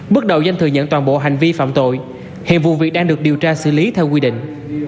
bước đầu danh thừa nhận toàn bộ hành vi phạm tội hiện vụ việc đang được điều tra xử lý theo quy định